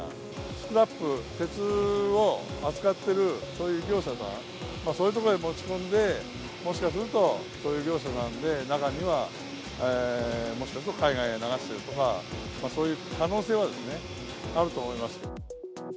スクラップ、鉄を扱っているそういう業者さん、そういうところへ持ち込んで、もしかすると、そういう業者さんで、中にはもしかすると、海外へ流してるとか、そういう可能性はあると思います。